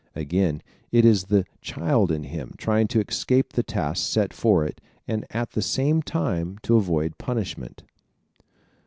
Again it is the child in him trying to escape the task set for it and at the same time to avoid punishment.